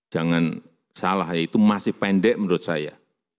jangan salah ya itu masih pendek menurut saya